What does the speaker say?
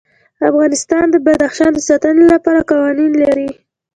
افغانستان د بدخشان د ساتنې لپاره قوانین لري.